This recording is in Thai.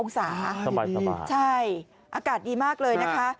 องศาสบายใช่อากาศดีมากเลยนะคะ